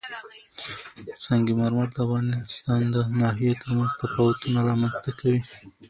سنگ مرمر د افغانستان د ناحیو ترمنځ تفاوتونه رامنځ ته کوي.